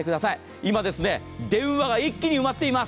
今、電話が一気に埋まっています。